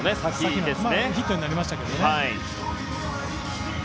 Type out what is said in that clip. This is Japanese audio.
今はヒットになりましたけどね。